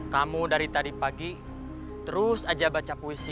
kamu dari tadi pagi terus aja baca puisi